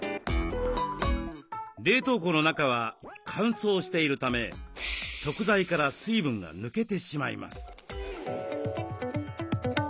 冷凍庫の中は乾燥しているため食材から水分が抜けてしまいます。